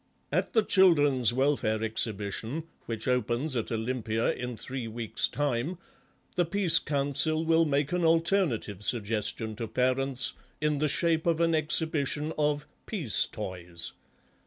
At the Children's Welfare Exhibition, which opens at Olympia in three weeks' time, the Peace Council will make an alternative suggestion to parents in the shape of an exhibition of 'peace toys.